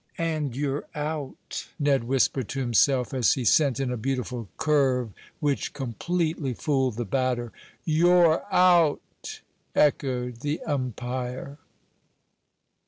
"And you're out!" Ned whispered to himself, as he sent in a beautiful curve, which completely fooled the batter. "You're out!" echoed the umpire.